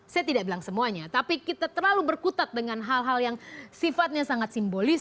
saya tidak bilang semuanya tapi kita terlalu berkutat dengan hal hal yang sifatnya sangat simbolis